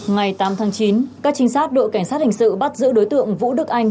ngày tám tháng chín các trinh sát đội cảnh sát hình sự bắt giữ đối tượng vũ đức anh